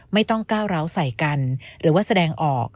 ไม่ต้องก้าวร้าวใส่กันหรือว่าแสดงออก